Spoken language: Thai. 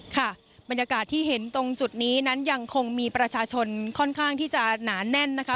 ค่ะบรรยากาศที่เห็นตรงจุดนี้นั้นยังคงมีประชาชนค่อนข้างที่จะหนาแน่นนะคะ